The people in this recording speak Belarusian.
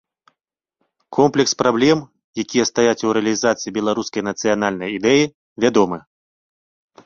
Комплекс праблем, якія стаяць у рэалізацыі беларускай нацыянальнай ідэі, вядомы.